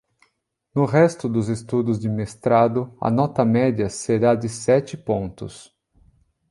No resto dos estudos de mestrado, a nota média será de sete pontos.